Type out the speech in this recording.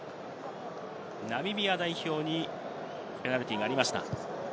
ナミビア代表にペナルティーがありました。